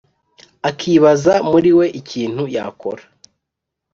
akibaza muriwe ikintu yakora